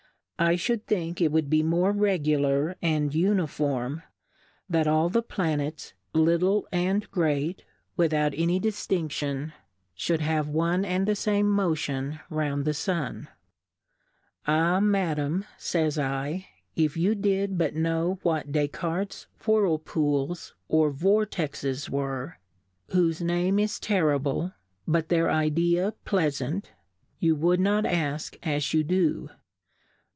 I fhould think it would be more regular and uniform, that all the Pla nets, 1 1 i Difcourfes en the nets, little and great, without any di jftinftion, fliould have one and the fame 'Motion round the Sun. Ah, Madam, [ays /, if you did but know what Deflartes'^s Whir pools or Vortexes were, (whofe Name is terri ble, but their Idea pleafant ) you wou'd not asK as you do.